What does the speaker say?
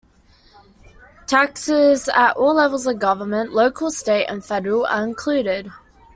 Taxes at all levels of government - local, state and federal - are included.